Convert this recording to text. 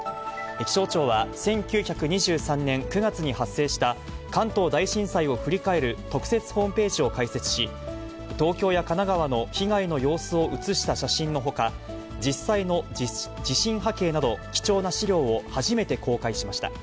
気象庁は１９２３年９月に発生した、関東大震災を振り返る特設ホームページを開設し、東京や神奈川の被害の様子を写した写真のほか、実際の地震波形など貴重な資料を初めて公開しました。